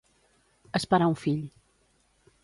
Esperar un fill.